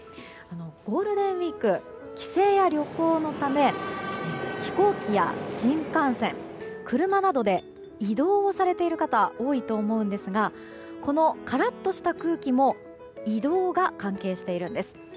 ゴールデンウィーク帰省や旅行のため飛行機や新幹線車などで移動をされている方が多いと思うんですがこのカラッとした空気も移動が関係しているんです。